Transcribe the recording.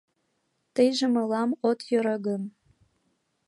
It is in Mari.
Тыйже мылам от йӧрӧ гын.